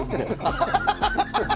ハハハハ！